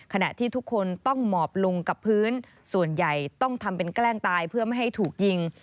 ขณะที่ทุกคนต้องหมอบลงกับพื้นส่วนใหญ่ต้องทำเป็นแกล้งตายเพื่อไม่ให้ถูกยิง